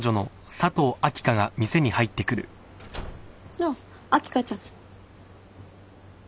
あっ秋香ちゃん。